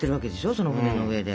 その船の上で。